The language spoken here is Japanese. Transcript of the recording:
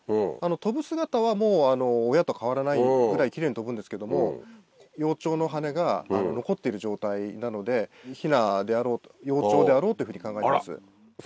飛ぶ姿はもう親と変わらないぐらいキレイに飛ぶんですけども幼鳥の羽が残っている状態なのでヒナであろう幼鳥であろうというふうに考えてます。